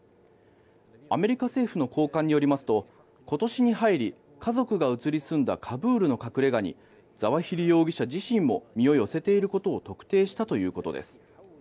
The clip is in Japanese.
アメリカ政府の高官によりますと今年に入り家族が移り住んだカブールの隠れ家にザワヒリ容疑者自身も身を寄せていることを特定したということです。